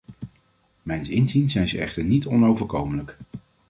Mijns inziens zijn ze echter niet onoverkomelijk.